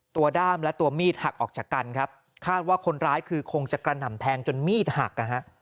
ด้ามและตัวมีดหักออกจากกันครับคาดว่าคนร้ายคือคงจะกระหน่ำแทงจนมีดหักนะฮะ